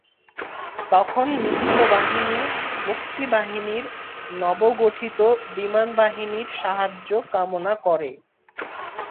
তখন মিত্রবাহিনী মুক্তিবাহিনীর নবগঠিত বিমানবাহিনীর সাহায্য কামনা করে।